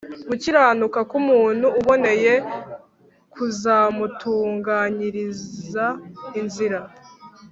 gukiranuka k’umuntu uboneye kuzamutunganyiriza inzira